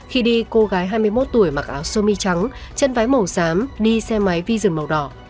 khi đi cô gái hai mươi một tuổi mặc áo sơ mi trắng chân vái màu xám đi xe máy vision màu đỏ